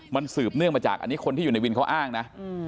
มันสืบเนื่องมาจากอันนี้คนที่อยู่ในวินเขาอ้างนะ